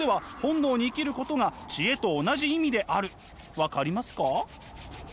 分かりますか？